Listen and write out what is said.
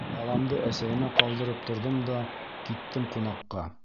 Баламды әсәйемә ҡалдырып торҙом да, киттем ҡунаҡҡа.